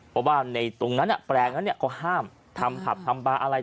เพราะว่าในตรงนั้นแปลงนั้นก็ห้ามทำผับทำบาร์อะไร